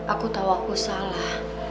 aku tau aku salah